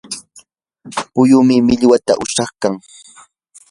puyum millwata ushashqa.